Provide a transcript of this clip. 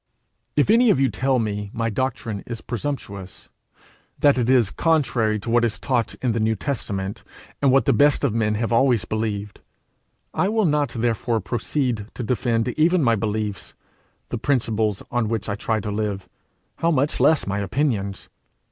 If any of you tell me my doctrine is presumptuous, that it is contrary to what is taught in the New Testament, and what the best of men have always believed, I will not therefore proceed to defend even my beliefs, the principles on which I try to live how much less my opinions!